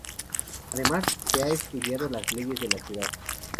Además, se ha estudiado las leyes de la ciudad.